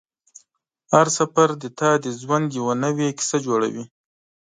هر سفر ستا د ژوند یوه نوې کیسه جوړوي